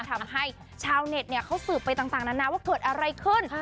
ทำให้ชาวเน็ตเขาสืบไปต่างนานาว่าเกิดอะไรขึ้น